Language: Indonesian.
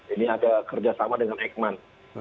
ini ada kerjasama dengan eijkman